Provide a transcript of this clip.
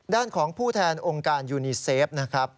ด้านของผู้แทนองค์การยูนีเซฟนะครับ